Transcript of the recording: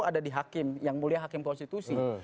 ada di hakim yang mulia hakim konstitusi